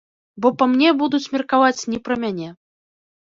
Бо па мне будуць меркаваць не пра мяне.